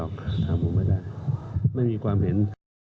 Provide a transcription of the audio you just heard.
โอ้ยถามผมไม่ได้หรอกไม่มีความเห็น